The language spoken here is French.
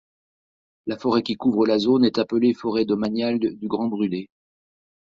La forêt qui couvre la zone est appelée Forêt domaniale du Grand Brûlé.